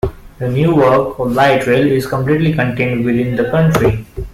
The Newark Light Rail is completely contained within the county.